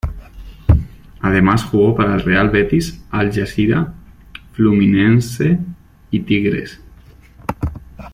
Además jugó para el Real Betis, Al-Jazira, Fluminense y Tigres.